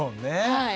はい。